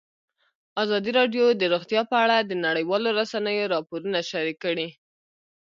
ازادي راډیو د روغتیا په اړه د نړیوالو رسنیو راپورونه شریک کړي.